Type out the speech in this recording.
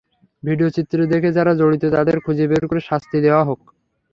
ভিডিওচিত্র দেখে যাঁরা জড়িত তাঁদের খুঁজে বের করে শাস্তি দেওয়া হোক।